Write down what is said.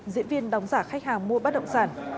diễn viên đóng giả khách hàng mua bất động sản